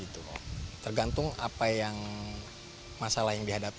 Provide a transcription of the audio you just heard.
tergantung apa yang masalah yang dihadapi